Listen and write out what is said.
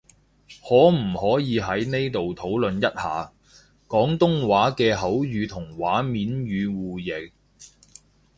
可唔可以喺呢度討論一下，廣東話嘅口語同書面語互譯？